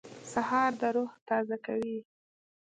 سهار د روح تازه کوي.